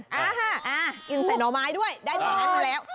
กินใส่หน่อไม้ด้วยได้หวานแล้ว